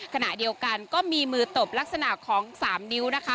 ขณะเดียวกันก็มีมือตบลักษณะของ๓นิ้วนะคะ